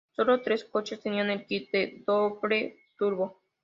Solo tres coches tenían el kit de doble turbo.